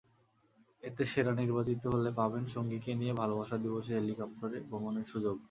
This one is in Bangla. এতে সেরা নির্বাচিত হলে পাবেন সঙ্গীকে নিয়ে ভালোবাসা দিবসে হেলিকপ্টারে ভ্রমণের সুযোগ।